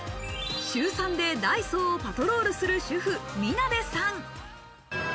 週３でダイソーをパトロールする主婦・みなでさん。